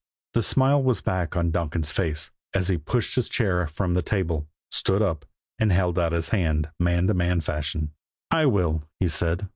The smile was back on Donkin's face as he pushed his chair from the table, stood up, and held out his hand man to man fashion. "I will," he said.